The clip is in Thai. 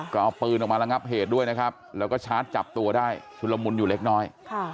ก็เอาปืนออกมาระงับเหตุด้วยนะครับแล้วก็ชาร์จจับตัวได้ชุดละมุนอยู่เล็กน้อย